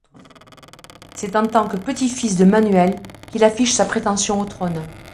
C'est en tant que petit-fils de Manuel qu'il affiche sa prétention au trône.